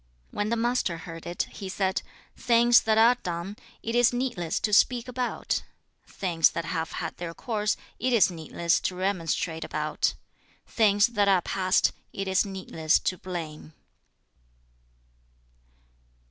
2. When the Master heard it, he said, 'Things that are done, it is needless to speak about; things that have had their course, it is needless to remonstrate about; things that are past, it is needless to blame.'